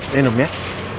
nih minum ya